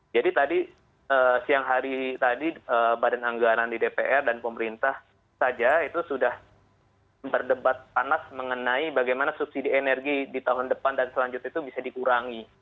tadi siang hari tadi badan anggaran di dpr dan pemerintah saja itu sudah berdebat panas mengenai bagaimana subsidi energi di tahun depan dan selanjutnya itu bisa dikurangi